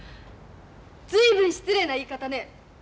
随分失礼な言い方ね。